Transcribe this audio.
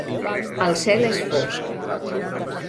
El cel és fosc.